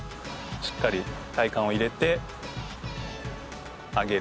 しっかり体幹を入れて上げる。